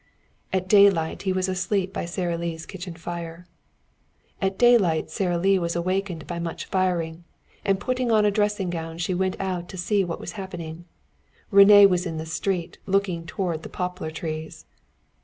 At daylight he was asleep by Sara Lee's kitchen fire. And at daylight Sara Lee was awakened by much firing, and putting on a dressing gown she went out to see what was happening. René was in the street looking toward the poplar trees.